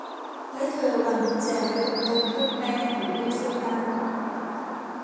และเธอวางกุญแจไว้บนโต๊ะเครื่องแป้งหรือตู้เสื้อผ้า